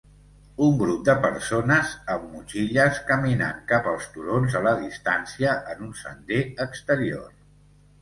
Un grup de persones amb motxilles caminant cap als turons a la distància en un sender exterior.